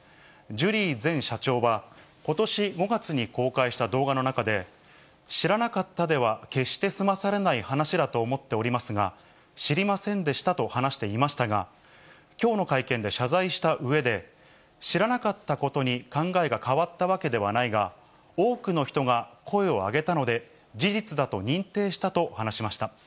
ジュリー前社長は、ことし５月に公開した動画の中で、知らなかったでは決して済まされない話だと思っておりますが、知りませんでしたと話していましたが、きょうの会見で謝罪したうえで、知らなかったことに考えが変わったわけではないが、多くの人が声を上げたので、事実だと認定したと話しました。